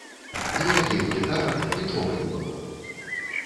Ніякіх гітарак, нічога не было!